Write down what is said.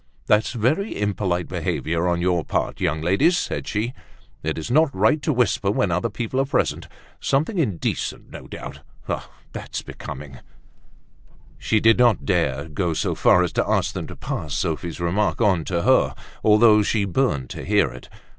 "That's very impolite behavior on your part, young ladies," said she. "It is not right to whisper when other people are present. Something indecent no doubt! Ah! that's becoming!" She did not dare go so far as to ask them to pass Sophie's remark on to her although she burned to hear it.